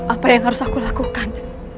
apa yang harus aku lakukan